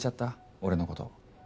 俺のこと。